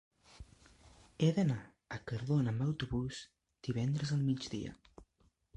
He d'anar a Cardona amb autobús divendres al migdia.